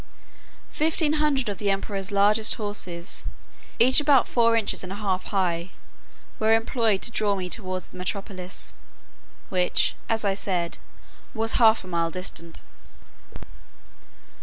Fifteen hundred of the emperor's largest horses, each about four inches and a half high, were employed to draw me towards the metropolis, which, as I said, was half a mile distant.